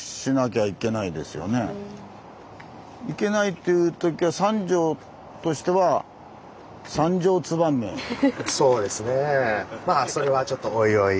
いけないっていうときはそうですねぇまあそれはちょっとおいおい。